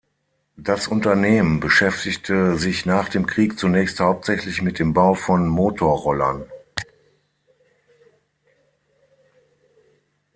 Das Unternehmen beschäftigte sich nach dem Krieg zunächst hauptsächlich mit dem Bau von Motorrollern.